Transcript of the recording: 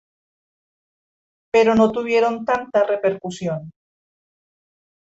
Pero no tuvieron tanta repercusión.